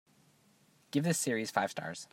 Give this series five stars.